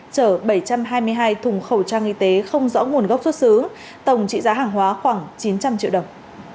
chở bảy trăm hai mươi hai thùng khẩu trang y tế không rõ nguồn gốc xuất xứ tổng trị giá hàng hóa khoảng chín trăm linh triệu đồng